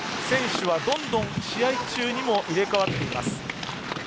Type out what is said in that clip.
選手は、どんどん試合中にも入れ代わっています。